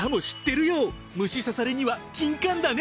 虫さされにはキンカンだね！